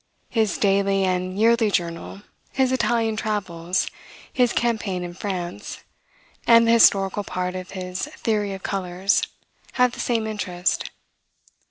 His "Daily and Yearly Journal," his "Italian Travels," his "Campaign in France" and the historical part of his "Theory of Colors," have the same interest.